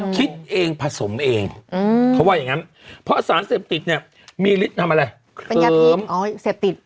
คิดเองผสมเองเขาว่าอย่างนั้นเพราะสารเสพติดเนี่ยมีฤทธิ์ทำอะไรเป็นยาพิมเสพติด